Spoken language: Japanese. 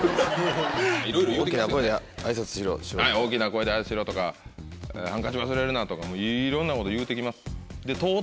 大きな声で挨拶しろとかハンカチ忘れるなとかいろんなこと言うて来ます。